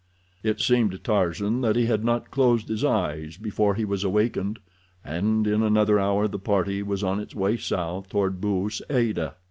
It seemed to Tarzan that he had not closed his eyes before he was awakened, and in another hour the party was on its way south toward Bou Saada.